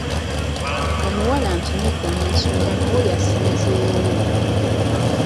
Omuwala nti “nedda musumba n'awo yasinzeewo”.